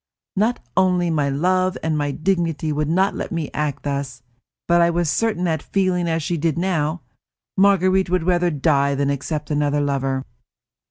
Not only my love and my dignity would not let me act thus, but I was certain that, feeling as she did now, Marguerite would die rather than accept another lover.